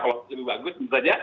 kalau lebih bagus tentu saja